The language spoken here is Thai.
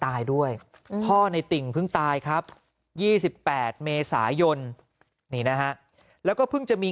ตายด้วยพ่อในติ่งเพิ่งตายครับ๒๘เมษายนนี่นะฮะแล้วก็เพิ่งจะมี